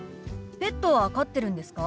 ペットは飼ってるんですか？